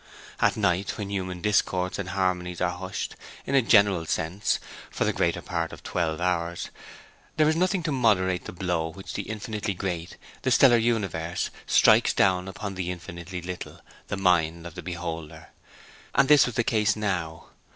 At night, when human discords and harmonies are hushed, in a general sense, for the greater part of twelve hours, there is nothing to moderate the blow with which the infinitely great, the stellar universe, strikes down upon the infinitely little, the mind of the beholder; and this was the case now.